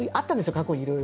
過去にいろいろ。